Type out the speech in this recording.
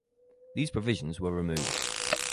These provisions were removed.